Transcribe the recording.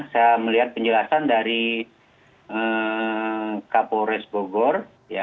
saya melihat penjelasan dari kapolres bogor